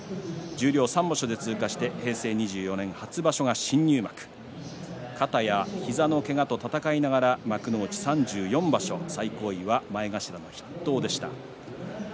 ３場所で通過して平成２４年初場所が新入幕膝のけがと闘いながら幕内３４場所最高位は前頭筆頭でした。